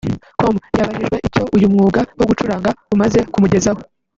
com yabajijwe icyo uyu mwuga wo gucuranga umaze kumugezaho